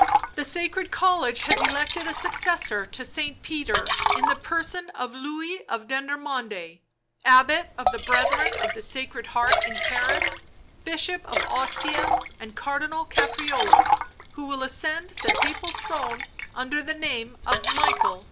11 The Sacred College has elected a successor to St. Peter in the person of Louis of Dendermonde, Abbot of the Brethren of the Sacred Heart in Paris, Bishop of Ostia and Cardinal Caprarola, who will ascend the Papal throne under the name of Michael II."